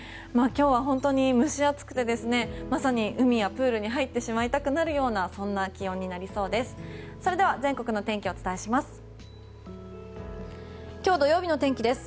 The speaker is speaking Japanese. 今日は本当に蒸し暑くてまさに海やプールに入ってしまいたくなるようなそんな気温になりそうです。